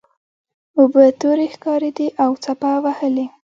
اوبه تورې ښکاریدې او څپه وهلې.